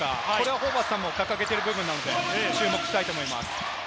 ホーバスさんも掲げている部分ですので注目したいと思います。